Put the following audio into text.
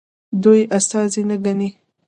دوی یې استازي نه ګڼي.